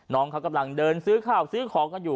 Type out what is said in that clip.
น้องเขากำลังเดินซื้อข้าวซื้อของกันอยู่